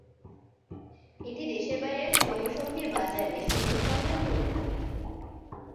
এটি দেশের বাইরে শ্রমশক্তির বাজার সুযোগ সন্ধান করে থাকে।